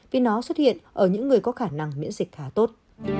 vì nó xuất hiện ở những người có khả năng miễn dịch khá tốt